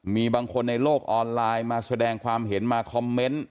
มีบางคนในโลกออนไลน์มาแสดงความเห็นมาคอมเมนต์